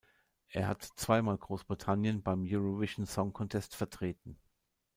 Er hat zweimal Großbritannien beim "Eurovision Song Contest" vertreten.